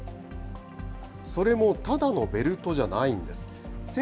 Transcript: それもただのベルトじゃないんです。